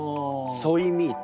ソイミート。